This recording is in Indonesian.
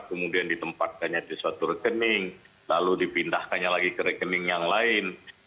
kemudian ditempatkannya di suatu rekening lalu dipindahkannya lagi ke rekening yang lain